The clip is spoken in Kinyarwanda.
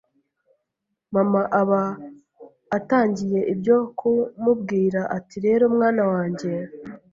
mama aba atangiye ibyo ku mubwira ati rero mwana wanjye